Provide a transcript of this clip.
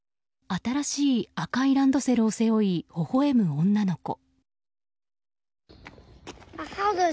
新しい赤いランドセルを背負いほほ笑む女の子。